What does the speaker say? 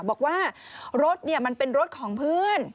บอกว่ารถมันเป็นรถของเพื่อน